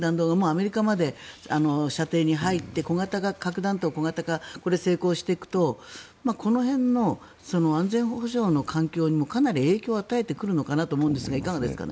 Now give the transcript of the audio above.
アメリカまで射程に入って、核弾頭小型化これ、成功していくとこの辺の安全保障の環境にもかなり影響を与えてくるのかなと思うんですがいかがですか？